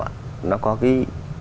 thì tôi nghĩ là nó có bước phát triển